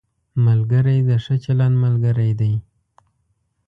ملګری د ښه چلند ملګری دی